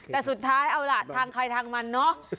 ถ้าสุดท้ายเนี่ยเอาหลาดทางใครทางมันเนอะ